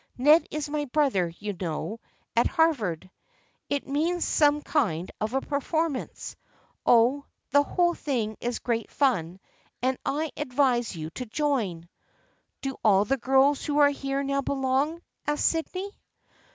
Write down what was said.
Ned is my brother, you know, at Harvard. It means some kind of a performance. Oh, the whole thing is great fun, and I advise you to join." " Do all the girls who are here now belong ?" asked Sydney.